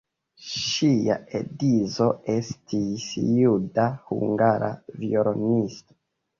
Ŝia edzo estis juda-hungara violonisto.